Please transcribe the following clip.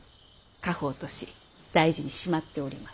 家宝とし大事にしまっております。